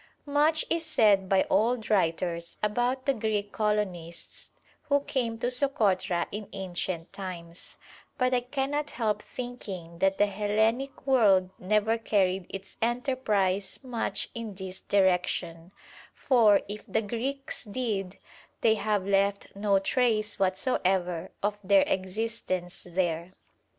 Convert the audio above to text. Much is said by old writers about the Greek colonists who came to Sokotra in ancient times, but I cannot help thinking that the Hellenic world never carried its enterprise much in this direction, for, if the Greeks did, they have left no trace whatsoever of their existence there.